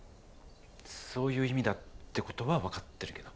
そういう意味だってことは分かってるけど。